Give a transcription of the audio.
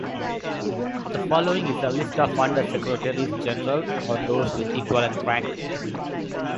The following is a list of Under-Secretaries-General or those with equivalent rank.